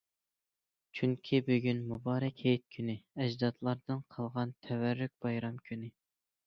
چۈنكى بۈگۈن مۇبارەك ھېيت كۈنى، ئەجدادلاردىن قالغان تەۋەررۈك بايرام كۈنى!